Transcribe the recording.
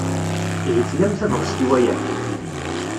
Ihi tlam tabɣest i waya?